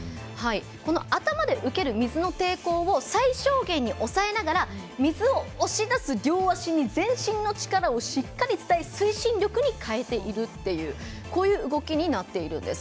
この頭で受ける水の抵抗を最小限で抑えながら水を押し出す両足から全身の力をしっかり伝え推進力に変えているっていうこういう動きになっているんです。